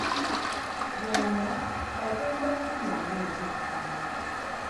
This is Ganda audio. Ggoonya agenda kulya nga ekyeggulo.